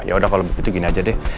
yaudah kalau begitu gini aja deh